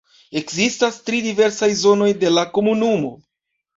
Ekzistas tri diversaj zonoj de la komunumo.